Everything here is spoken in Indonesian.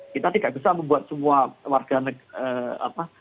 kita tidak bisa membuat semua warga negara apa